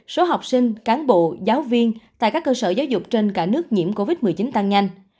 số học sinh cán bộ giáo viên tại các cơ sở giáo dục trên cả nước nhiễm covid một mươi chín tăng nhanh